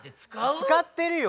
使ってるよ！